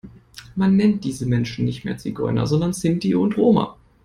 Man nennt diese Menschen nicht mehr Zigeuner, sondern Sinti und Roma.